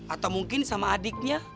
atau mungkin sama adiknya